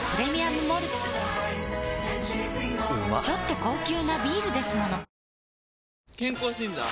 ちょっと高級なビールですもの健康診断？